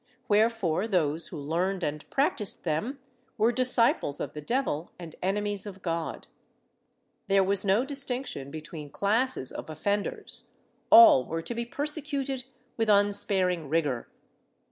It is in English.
198 SORCERY AND OCCULT ARTS [Book VIII fore those who learned and practised them were disciples of the devil and enemies of God. There was no distinction between classes of offenders ; all were to be persecuted with unsparing rigor.